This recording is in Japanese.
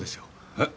えっ？